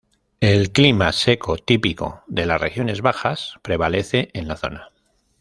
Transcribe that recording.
El clima seco típico de las regiones bajas prevalece en la zona.